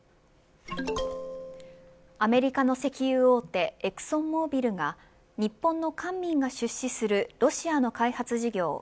アメリカの石油大手エクソンモービルが日本の官民が出資するロシアの開発事業